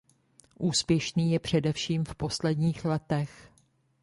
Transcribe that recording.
Úspěšný je především v posledních letech.